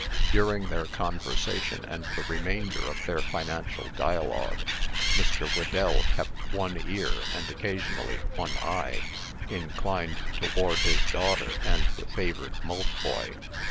Daring their conversation, and the remainder of their financial dialogue, Mr. Whedell kept one ear, and occasionally one eye, inclined toward his daughter and the favored Maltboy.